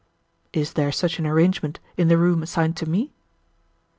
"Is there such an arrangement in the room assigned to me?"